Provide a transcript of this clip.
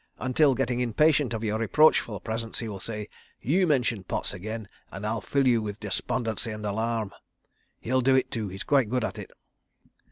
... Until, getting impatient of your reproachful presence, he will say: 'You mention pots again and I'll fill you with despondency and alarm. ..' He'll do it, too—he's quite good at it."